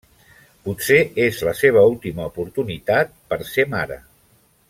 Potser és la seva última oportunitat per ser mare.